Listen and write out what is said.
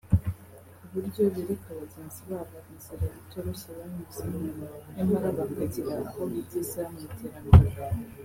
ku buryo bereka bagenzi babo inzira itoroshye banyuzemo nyamara bakagira aho bigeza mu iterambere